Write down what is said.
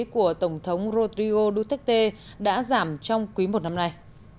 của tổng thống rodrio duterte đã giảm trong quý một năm nay